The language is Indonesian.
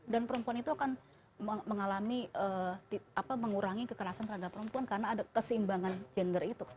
dan perempuan itu akan mengurangi kekerasan terhadap perempuan karena ada keseimbangan gender itu